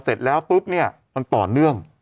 เสร็จแล้วปุ๊บเนี่ยมันต่อเนื่อง